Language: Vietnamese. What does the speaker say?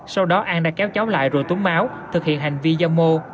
sau đó an đã kéo cháu lại rồi túng máu thực hiện hành vi dâm mô